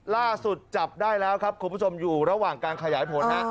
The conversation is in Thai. ล่าสุดจับได้แล้วครับคุณผู้ชมอยู่ระหว่างการขยายผลฮะ